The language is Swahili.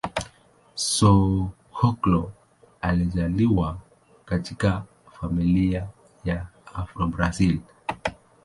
Soglo alizaliwa katika familia ya Afro-Brazil.